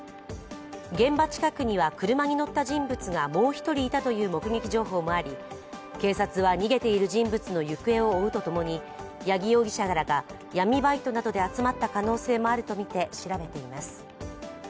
現場近くには車に乗った人物がもう１人いたという目撃情報もあり、警察は逃げている人物の行方を追うとともに八木容疑者らが闇バイトなどで集まった可能性もあるとみて調べています。